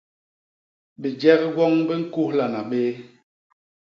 Bijek gwoñ bi ñkuhlana bé.